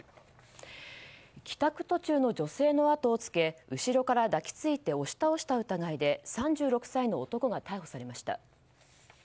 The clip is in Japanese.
帰宅途中の女性の後をつけ後ろから抱き付いて押し倒した疑いで３６歳の男が逮捕されました。